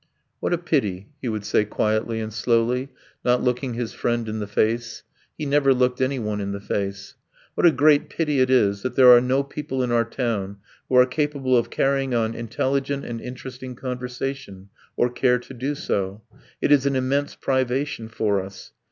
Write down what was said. "What a pity," he would say quietly and slowly, not looking his friend in the face (he never looked anyone in the face) "what a great pity it is that there are no people in our town who are capable of carrying on intelligent and interesting conversation, or care to do so. It is an immense privation for us.